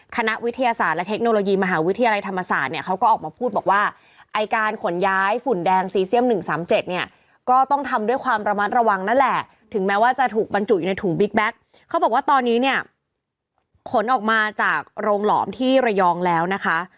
ขนออกมาจากโรงหลอมที่ระยองแล้วนะคะ